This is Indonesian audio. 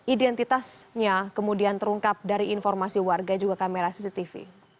identitasnya kemudian terungkap dari informasi warga juga kamera cctv